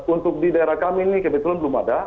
untuk di daerah kami ini kebetulan belum ada